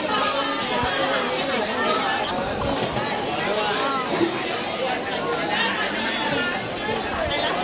วันนี้มีเราหาแค่๑๒คน